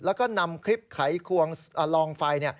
แล้วก็นำคลิปไขควงลองไฟ